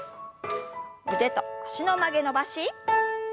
腕と脚の曲げ伸ばし。